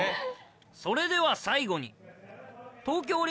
それでは最後に確かに。